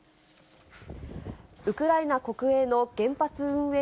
ウクライナ国営の原発運営